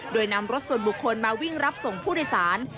โดยนำรถส่วนบุคคลมาวิ่งรับส่งผู้โดยสาร